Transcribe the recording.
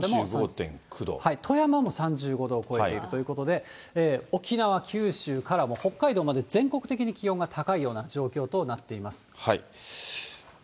富山も３５度を超えたということで、沖縄、九州からもう北海道まで、全国的に気温が高いような状況となっています。